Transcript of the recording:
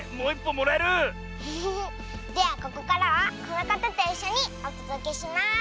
ではここからはこのかたといっしょにおとどけします。